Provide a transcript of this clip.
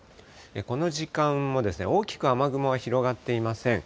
この時間も大きく雨雲は広がっていません。